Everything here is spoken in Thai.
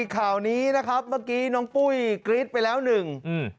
หลังนี้เมื่อกี้น้องปุ้ยกรีดไปแล้วหนึ่ง